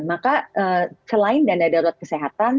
maka selain dana darurat kesehatan